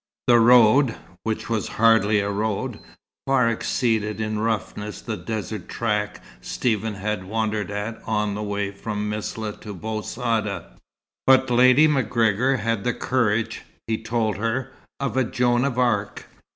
The road, which was hardly a road, far exceeded in roughness the desert track Stephen had wondered at on the way from Msila to Bou Saada; but Lady MacGregor had the courage, he told her, of a Joan of Arc.